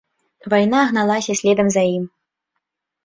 Вайна гналася следам за ім.